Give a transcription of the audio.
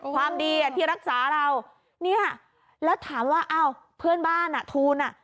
ความดีอ่ะที่รักษาเราเนี่ยแล้วถามว่าอ้าวเพื่อนบ้านอ่ะทูลอ่ะ